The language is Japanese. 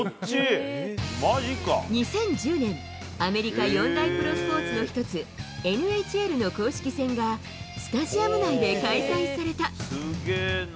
２０１０年、アメリカ４大プロスポーツの１つ、ＮＨＬの公式戦がスタジアム内で開催された。